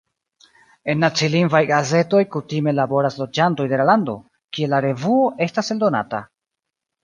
En nacilingvaj gazetoj kutime laboras loĝantoj de la lando, kie la revuo estas eldonata.